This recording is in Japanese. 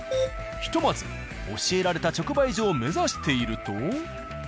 ひとまず教えられた直売所を目指していると。